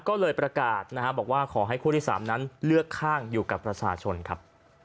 ก็เลยประกาศนะฮะบอกว่าขอให้คู่ที่๓นั้นเลือกข้างอยู่กับประชาชนครับ